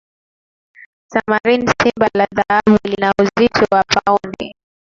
Tamarin simba la dhahabu lina uzito wa paundi